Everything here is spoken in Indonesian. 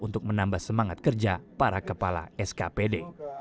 untuk menambah semangat kerja para kepala skpd